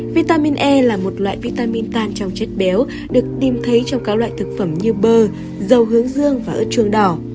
vitamin e là một loại vitamin than trong chất béo được tìm thấy trong các loại thực phẩm như bơ dầu hướng dương và ớt chuông đỏ